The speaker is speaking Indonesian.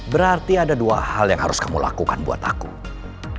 berarti ada dua hal yang harus diperlukan untuk mencari rizky